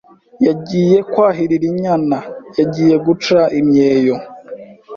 yagiye kwahirira inyana, yagiye guca imyeyo,